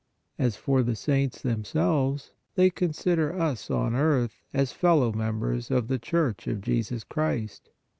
As for the saints themselves, they consider us on earth as fellow members of the Church of Jesus Christ.